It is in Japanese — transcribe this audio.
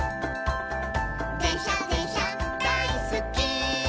「でんしゃでんしゃだいすっき」